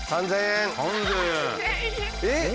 ３０００円？えっ？